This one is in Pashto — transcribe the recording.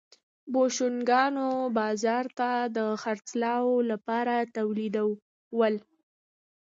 بوشونګانو بازار ته د خرڅلاو لپاره تولیدول.